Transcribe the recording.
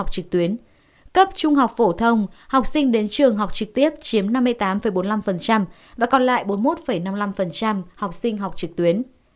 học trực tuyến cấp trung học phổ thông học sinh đến trường học trực tiếp chiếm năm mươi tám bốn mươi năm và còn lại bốn mươi một năm mươi năm học sinh học trực tuyến